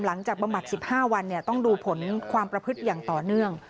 บำบัด๑๕วันต้องดูผลความประพฤติอย่างต่อเนื่อง